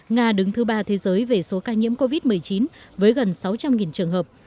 nga đứng thứ ba thế giới về số ca nhiễm covid một mươi chín với gần sáu trăm linh trường hợp